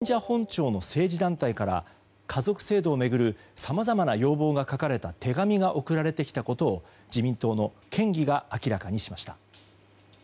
駐日大使などから法案成立を求める声が高まる中神社本庁の政治団体から家族制度を巡るさまざまな要望が書かれた手紙が送られてきたことを自民党の県議が明らかにしました。